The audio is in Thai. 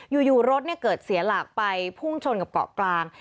อยู่รถเกิดเสียหลักไปพุ่งชนกับเกาะกลาง